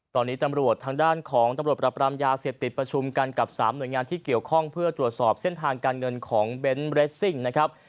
ตอนนี้ตำรวจทางด้านของตำรวจปรับรามยาเสพติดประชุมกันกับ๓หน่วยงานที่เกี่ยวข้องเพื่อตรวจสอบเส้นทางการเงินของเบนท์เรสซิ่งนะครับ